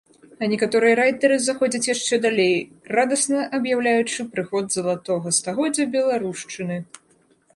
А некаторыя райтары заходзяць яшчэ далей, радасна аб'яўляючы прыход залатога стагоддзя беларушчыны.